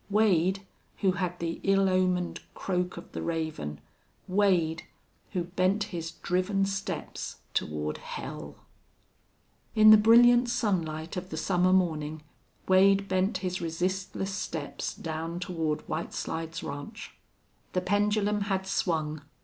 Wade who had the ill omened croak of the raven Wade who bent his driven steps toward hell! In the brilliant sunlight of the summer morning Wade bent his resistless steps down toward White Slides Ranch. The pendulum had swung.